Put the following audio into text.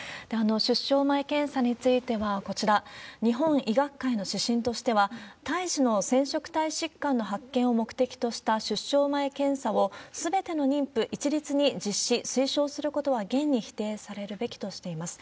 出生前検査については、こちら、日本医学会の指針としては、胎児の染色体疾患の発見を目的とした出生前検査を、すべての妊婦一律に実施、推奨することは厳に否定されるべきとしています。